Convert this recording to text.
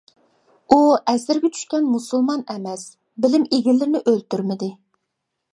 ئۇ ئەسىرگە چۈشكەن مۇسۇلمان ئەمەس بىلىم ئىگىلىرىنى ئۆلتۈرمىدى.